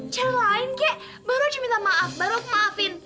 celahin kak baru aja minta maaf baru aja mau maafin